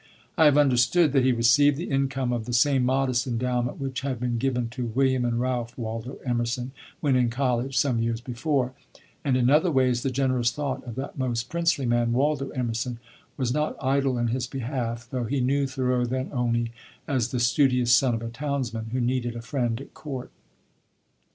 I have understood that he received the income of the same modest endowment which had been given to William and Ralph Waldo Emerson when in college, some years before; and in other ways the generous thought of that most princely man, Waldo Emerson, was not idle in his behalf, though he knew Thoreau then only as the studious son of a townsman, who needed a friend at court.